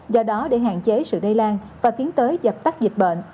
do đó để hạn chế sự lây lan và tiến tới dập tắt dịch bệnh